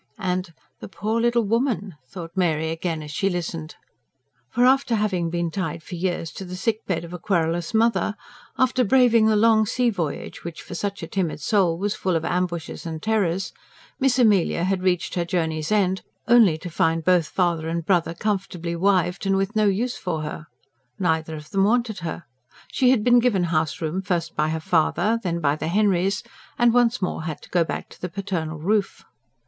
And: "The poor little woman!" thought Mary again as she listened. For, after having been tied for years to the sick bed of a querulous mother; after braving the long sea voyage, which for such a timid soul was full of ambushes and terrors, Miss Amelia had reached her journey's end only to find both father and brother comfortably wived, and with no use for her. Neither of them wanted her. She had been given house room first by her father, then by the Henrys, and once more had had to go back to the paternal roof.